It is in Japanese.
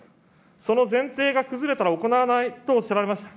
その前提が崩れたら行わないとおっしゃられました。